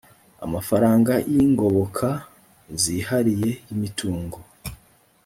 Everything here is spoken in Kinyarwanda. amafaranga y ingoboka zihariye y imitungo